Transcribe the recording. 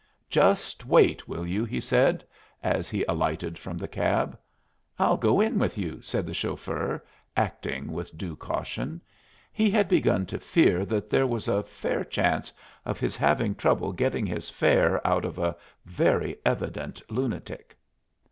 "Just wait, will you?" he said, as he alighted from the cab. "I'll go in with you," said the chauffeur, acting with due caution. He had begun to fear that there was a fair chance of his having trouble getting his fare out of a very evident lunatic.